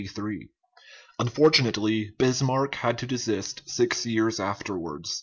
Unfortunately, Bismarck had to desist six years afterwards.